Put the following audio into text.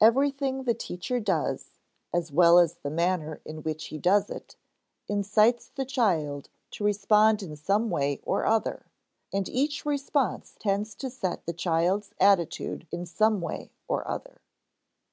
_Everything the teacher does, as well as the manner in which he does it, incites the child to respond in some way or other, and each response tends to set the child's attitude in some way or other.